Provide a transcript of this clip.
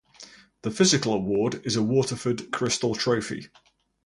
The physical award is a Waterford crystal trophy.